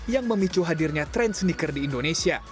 yang memicu hadirnya tren sneaker di indonesia